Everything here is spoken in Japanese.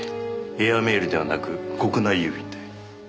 エアメールではなく国内郵便で。